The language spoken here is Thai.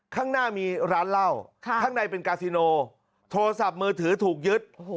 ข้างหน้ามีร้านเหล้าข้างในเป็นกาซิโนโทรศัพท์มือถือถูกยึด